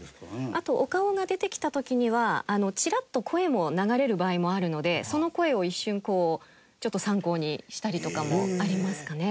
あとお顔が出てきた時にはチラッと声も流れる場合もあるのでその声を一瞬ちょっと参考にしたりとかもありますかね。